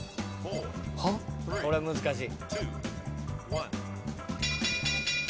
これ難しい。